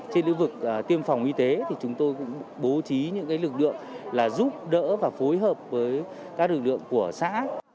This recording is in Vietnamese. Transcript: trên lưu vực tiêm phòng y tế thì chúng tôi cũng bố trí những lực lượng là giúp đỡ và phối hợp với các lực lượng của xã